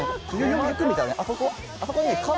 あそこ。